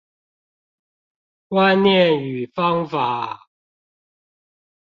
觀念與方法